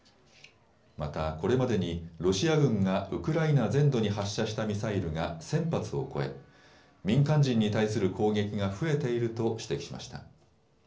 また、これまでにロシア軍がウクライナ全土に発射したミサイルが１０００発を超え民間人に対する攻撃が増えていると指摘しました。